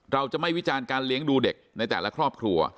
เราจะไม่วิจารณ์การเลี้ยงดูเด็กในแต่ละครอบครัว